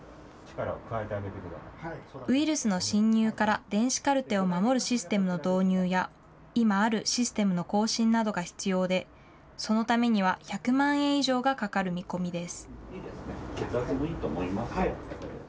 ウイルスの侵入から電子カルテを守るシステムの導入や、今あるシステムの更新などが必要で、そのためには１００万円以上がかかる見込みです。